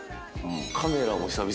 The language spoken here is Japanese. カメラも久々。